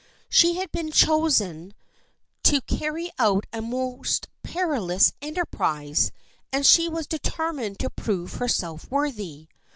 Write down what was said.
She had been chosen to 88 THE FRIENDSHIP OF ANNE carry out a most perilous enterprise and she was determined to prove herself worthy.